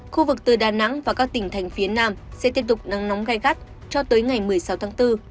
khu vực từ đà nẵng và các tỉnh thành phía nam sẽ tiếp tục nắng nóng gai gắt cho tới ngày một mươi sáu tháng bốn